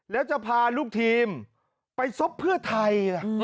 แล้วจะพาลูกทีมไปซบเพื่อไทยล่ะ